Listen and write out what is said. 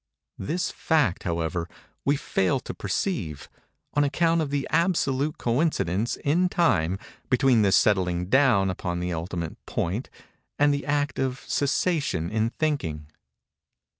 This fact, however, we fail to perceive, on account of the absolute coincidence, in time, between the settling down upon the ultimate point and the act of cessation in thinking.